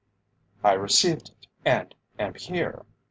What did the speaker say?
"I received it, and am here.